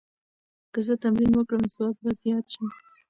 که زه تمرین وکړم، ځواک به زیات شي.